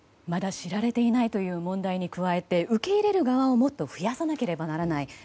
まだ知られていないという問題に加えて受け入れる側をもっと増やさなければならない。